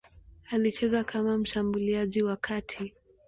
Alicheza kama mshambuliaji wa kati.